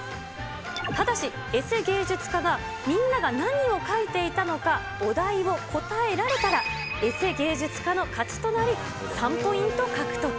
ただし、エセ芸術家が、みんなが何を描いていたのかお題を答えられたら、エセ芸術家の勝ちとなり、３ポイント獲得。